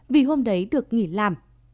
vì hôm đấy được nghỉ làm